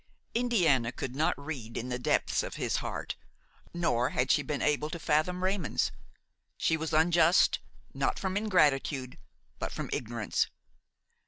Indiana could not read in the depths of his heart, nor had she been able to fathom Raymon's. She was unjust, not from ingratitude, but from ignorance.